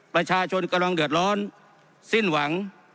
ประชาชนกำลังเดือดร้อนสิ้นหวัง